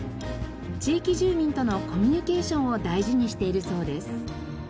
地域住民とのコミュニケーションを大事にしているそうです。